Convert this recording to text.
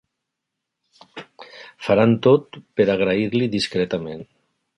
Faran tot per agrair-li discretament.